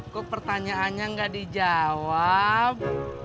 kok pertanyaannya gak dijawab